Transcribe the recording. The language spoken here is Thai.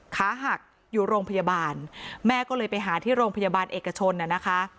ขาหักอยู่โรงพยาบาลแม่ก็เลยไปหาที่โรงพยาบาลเอกชนน่ะนะคะ